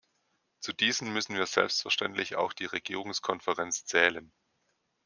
Zu diesen müssen wir selbstverständlich auch die Regierungskonferenz zählen.